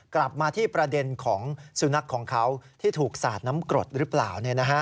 กลับมาที่ประเด็นของสุนัขของเขาที่ถูกสาดน้ำกรดหรือเปล่า